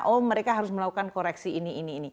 oh mereka harus melakukan koreksi ini ini ini